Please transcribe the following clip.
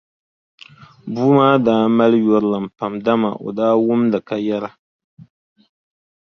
Bua maa daa mali yurilim pam dama o daa wumdi ka yɛra.